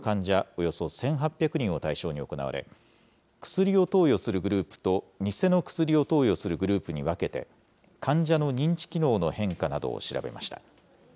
およそ１８００人を対象に行われ、薬を投与するグループと、偽の薬を投与するグループに分けて、患者の認知機能の変化などを調べました。